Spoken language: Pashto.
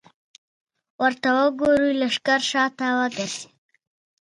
ورته وګورئ! لښکر شاته وګرځېد.